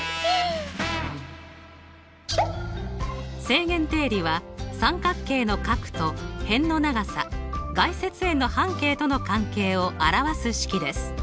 正弦定理は三角形の角と辺の長さ外接円の半径との関係を表す式です。